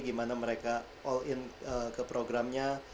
gimana mereka all in ke programnya